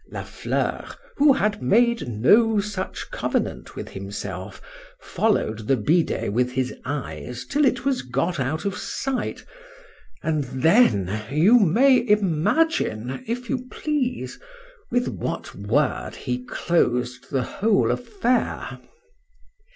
La Fleur, who had made no such covenant with himself, followed the bidet with his eyes till it was got out of sight,—and then, you may imagine, if you please, with what word he closed the whole affair.